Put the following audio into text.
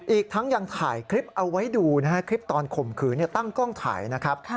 อีกทั้งยังถ่ายคลิปเอาไว้ดูนะฮะคลิปตอนข่มขืนตั้งกล้องถ่ายนะครับ